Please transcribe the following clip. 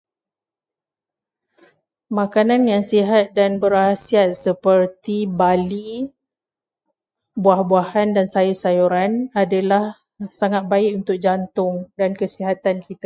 Makanan yang sihat dan berkhasiat seperti barli, buah-buahan dan sayur-sayuran adalah sangat baik untuk jantung dan kesihatan kita.